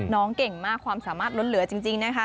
เก่งมากความสามารถล้นเหลือจริงนะคะ